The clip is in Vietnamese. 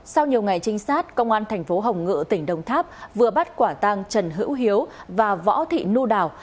sau nhiều ngày trinh sát công an tp hồng ngự tỉnh đông tháp vừa bắt quả tang trần hữu hiếu và võ thị nu đào